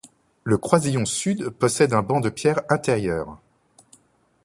Le croisillon sud possède un banc de pierre intérieur.